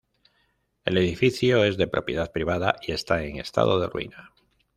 El edificio es de propiedad privada y está en estado de ruina.